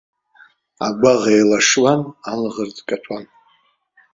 Агәаӷ еилашуан, алаӷырӡ каҭәон.